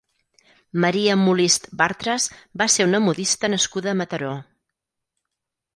Maria Molist Bartres va ser una modista nascuda a Mataró.